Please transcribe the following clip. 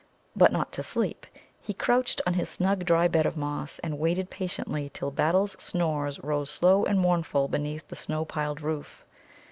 But not to sleep. He crouched on his snug dry bed of moss, and waited patiently till Battle's snores rose slow and mournful beneath the snow piled roof.